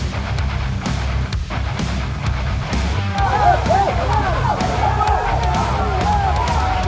jika anda mau menjumpai usia korban ini